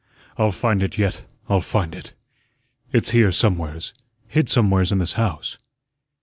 I'll find it yet, I'll find it. It's here somewheres, hid somewheres in this house."